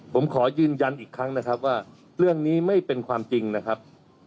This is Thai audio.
ผมขอยืนยันอีกครั้งนะครับว่าเรื่องนี้ไม่เป็นความจริงนะครับ